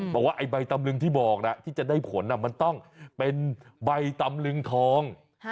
บอกว่าไอ้ใบตำลึงที่บอกนะที่จะได้ผลมันต้องเป็นใบตำลึงทอง